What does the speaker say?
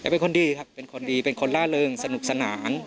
เป็นคนดีครับเป็นคนดีเป็นคนล่าเริงสนุกสนาน